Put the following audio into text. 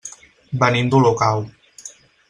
Venim d'Olocau.